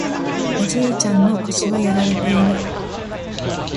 おじいちゃんの腰はやられている